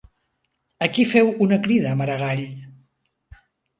A qui feu una crida Maragall?